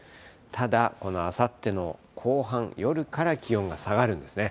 ただ、このあさっての後半、夜から気温が下がるんですね。